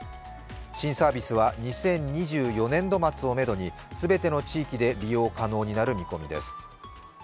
新サービスは２０２４年度末をめどに全ての地域で利用可能になる見込みです。